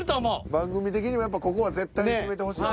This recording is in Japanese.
番組的にもここは絶対に決めてほしい。